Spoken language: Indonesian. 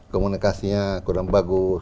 komunikasinya kurang bagus